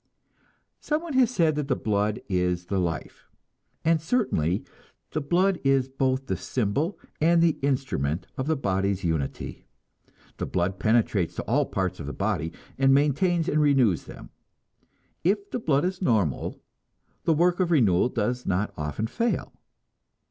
Some one has said that the blood is the life; and certainly the blood is both the symbol and the instrument of the body's unity. The blood penetrates to all parts of the body and maintains and renews them. If the blood is normal, the work of renewal does not often fail.